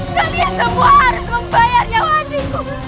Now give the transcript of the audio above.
kalian semua harus membayar yang adikku